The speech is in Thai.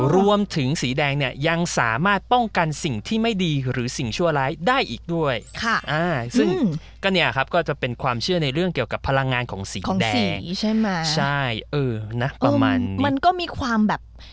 รวมถึงสีแดงเนี่ยยังสามารถป้องกันสิ่งที่ไม่ดีหรือสิ่งชั่วร้ายได้อีกด้วยค่ะอ่าซึ่งก็เนี่ยครับก็จะเป็นความเชื่อในเรื่องเกี่ยวกับพลังงานของสีแดงใช่เออนะประมาณมันก็มีความแบบ